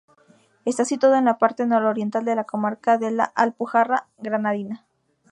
Está situado en la parte nororiental de la comarca de la Alpujarra Granadina.